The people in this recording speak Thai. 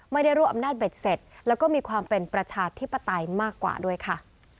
ไม่ได้รวบอำนาจเบ็ดเสร็จแล้วก็มีความเป็นประชาธิปไตยมากกว่าด้วยค่ะ